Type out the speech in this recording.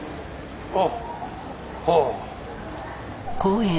あっああ。